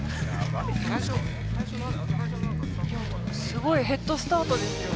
すごいヘッドスタートですよ